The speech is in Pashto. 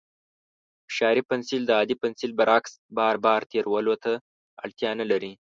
فشاري پنسل د عادي پنسل برعکس، بار بار تېرولو ته اړتیا نه لري.